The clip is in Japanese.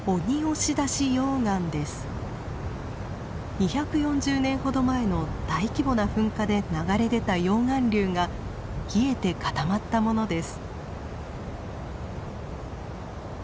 ２４０年ほど前の大規模な噴火で流れ出た溶岩流が冷えて固まったものです。